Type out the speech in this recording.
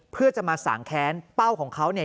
เพื่อจะมาสางแค้นเป้าของเขาเนี่ย